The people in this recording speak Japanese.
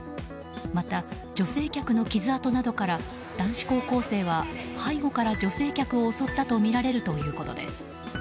また、女性客の傷痕などから男子高校生は背後から女性客を襲ったとみられるということです。